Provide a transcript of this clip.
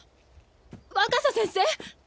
若狭先生？